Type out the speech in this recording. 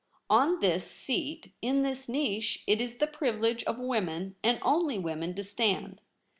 On this seat. In this niche. It Is the privilege of women, and only women, to stand.